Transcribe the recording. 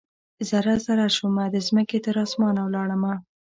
ذره ، ذره شومه د مځکې، تراسمان ولاړمه